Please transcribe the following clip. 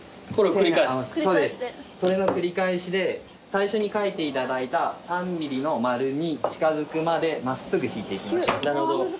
それの繰り返しで最初に描いていただいた３ｍｍの丸に近づくまで真っすぐ引いていきましょう。